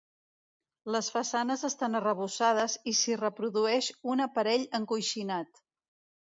Les façanes estan arrebossades i s'hi reprodueix un aparell encoixinat.